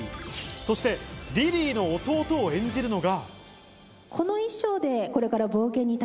そしてリリーの弟を演じるのが。